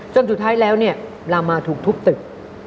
จนสุดท้ายแล้วลามมาถูกทุบตึก